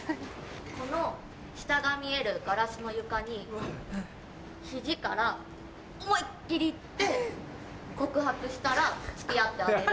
この下が見えるガラスの床に肘から思いっ切り行って告白したら付き合ってあげる。